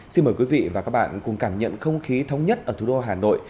xin mời quý vị và các bạn cùng cảm nhận không khí thống nhất ở thủ đô hà nội